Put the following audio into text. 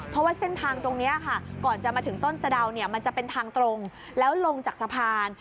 เพราะว่าเส้นทางตรงนี้ค่ะก่อนจะมาถึงต้นสะดาวเนี่ยมันจะเป็นทางตรงแล้วลงจากสะพาน